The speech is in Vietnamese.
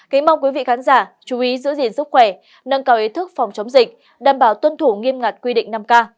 kính mong quý vị khán giả chú ý giữ gìn sức khỏe nâng cao ý thức phòng chống dịch đảm bảo tuân thủ nghiêm ngặt quy định năm k